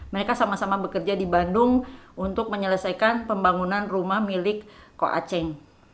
mereka sama sama bekerja di bandung untuk menyelesaikan pembangunan rumah milik koaching